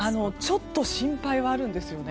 ちょっと心配はあるんですよね。